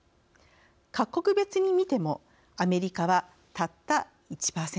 各国別に見てもアメリカはたった１％。